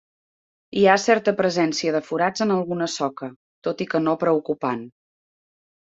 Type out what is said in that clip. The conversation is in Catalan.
Hi ha certa presència de forats en alguna soca, tot i que no preocupant.